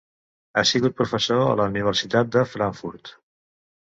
Ha sigut professor a la Universitat de Frankfurt.